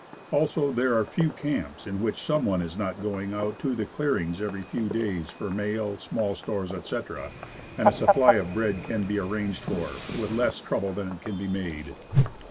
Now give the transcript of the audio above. Also, there are few camps in which some one is not going out to the clearings every few days for mail, small stores, etc., and a supply of bread can be arranged for, with less trouble than it can be made.